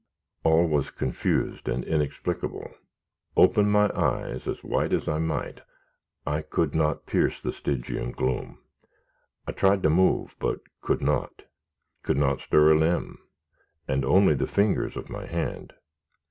All was confused and inexplicable. Open my eyes as wide as I might, I could not pierce the Stygian gloom. I tried to move, but could not could not stir a limb, and only the fingers of my hand.